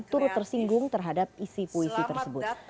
turut tersinggung terhadap isi puisi tersebut